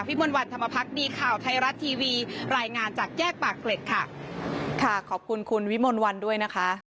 มนต์วันธรรมพักดีข่าวไทยรัฐทีวีรายงานจากแยกปากเกร็ดค่ะค่ะขอบคุณคุณวิมลวันด้วยนะคะ